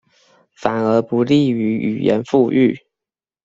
反而不利於語言復育